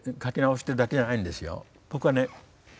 僕はね